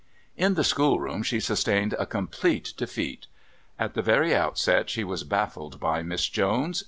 In the schoolroom she sustained complete defeat. At the very outset she was baffled by Miss Jones.